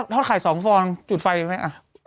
ทอดไข่๒ฟองจุดไฟไหม